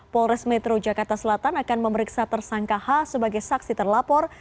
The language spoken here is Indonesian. polres metro jakarta selatan akan memeriksa tersangka h sebagai saksi terlapor